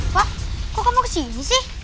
pak kok kamu kesini sih